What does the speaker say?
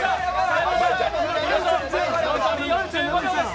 残り４５秒です。